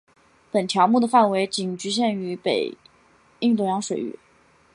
本条目的范围仅局限于北印度洋水域。